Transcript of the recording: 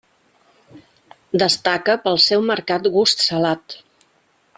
Destaca pel seu marcat gust salat.